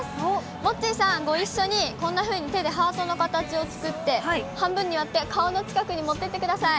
モッチーさん、ご一緒に、こんなふうに手でハートの形を作って、半分に割って、顔の近くに持っていってください。